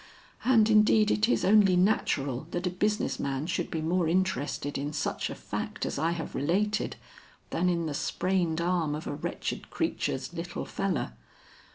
And indeed it is only natural that a business man should be more interested in such a fact as I have related, than in the sprained arm of a wretched creature's 'little feller.'"